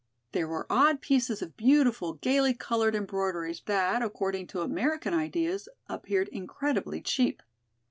There were odd pieces of beautiful, gayly colored embroideries that, according to American ideas, appeared incredibly cheap.